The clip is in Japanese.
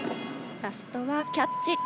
ラストはキャッチ。